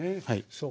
そう。